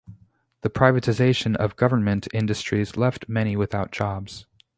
The privatization of government industries left many without jobs.